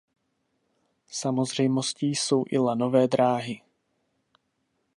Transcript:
Samozřejmostí jsou i lanové dráhy.